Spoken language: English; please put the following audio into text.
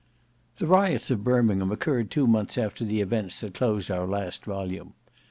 The riots of Birmingham occurred two months after the events that closed our last volume.